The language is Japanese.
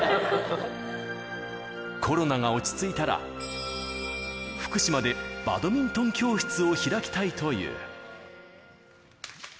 コロナが落ち着いたら、福島でバドミントン教室を開きたいという。